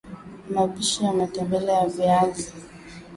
mapishi ya matembele ya viazi